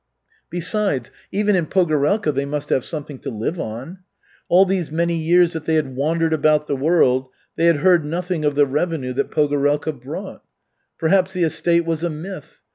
Besides, even in Pogorelka they must have something to live on. All these many years that they had wandered about the world they had heard nothing of the revenue that Pogorelka brought. Perhaps the estate was a myth.